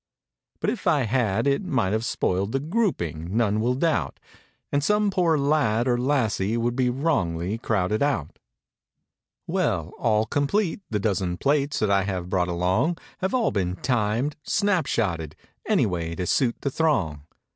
But if I had it might have spoiled The "grouping," none will doubt; And some poor lad or lassie would Be wrongly crowded out. Well, all complete, the dozen plates That I had brought along Have all been "timed;" "snapshotted;" Any way to suit the throng.